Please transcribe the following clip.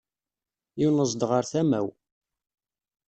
Yunez-d ɣer tama-w.